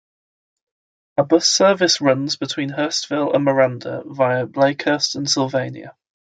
A bus service runs between Hurstville and Miranda via Blakehurst and Sylvania.